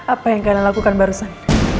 apa yang kalian lakukan barusan